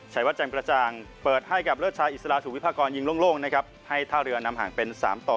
วัดแจ่มกระจ่างเปิดให้กับเลิศชายอิสลาสุวิพากรยิงโล่งนะครับให้ท่าเรือนำห่างเป็น๓ต่อ